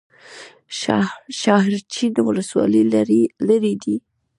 شاحرچین ولسوالۍ لیرې ده؟